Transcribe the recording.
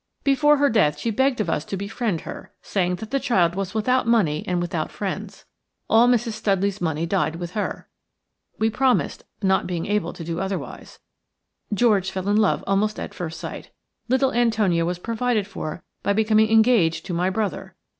Before her death she begged of us to befriend her, saying that the child was without money and without friends. All Mrs. Studley's money died with her. We promised, not being able to do otherwise. George fell in love almost at first sight. Little Antonia was provided for by becoming engaged to my brother.